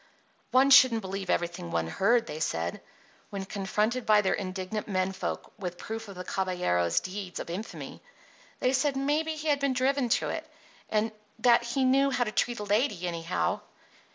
One shouldn't believe everything one heard, they said. When confronted by their indignant men folk with proof of the caballero's deeds of infamy, they said maybe he had been driven to it, and that he knew how to treat a lady, anyhow.